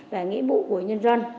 và nghĩa vụ của nhân dân